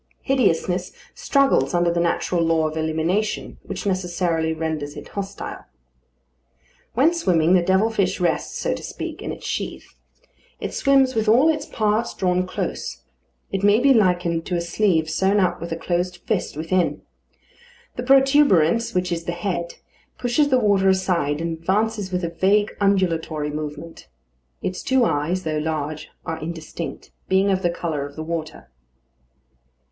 Hideousness struggles under the natural law of elimination, which necessarily renders it hostile. When swimming, the devil fish rests, so to speak, in its sheath. It swims with all its parts drawn close. It may be likened to a sleeve sewn up with a closed fist within. The protuberance, which is the head, pushes the water aside and advances with a vague undulatory movement. Its two eyes, though large, are indistinct, being of the colour of the water.